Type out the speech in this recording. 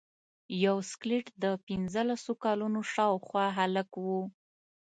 یو سکلیټ د پنځلسو کلونو شاوخوا هلک و.